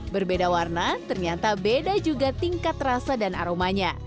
berbeda warna ternyata beda juga tingkat rasa dan aromanya